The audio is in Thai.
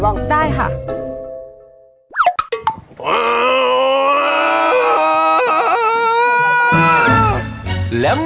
มันเป็นอะไร